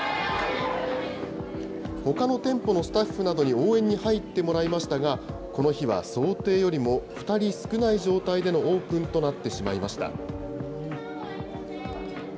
ほかの店舗のスタッフなどに応援に入ってもらいましたが、この日は想定よりも２人少ない状態でのオープンとなってしまいました。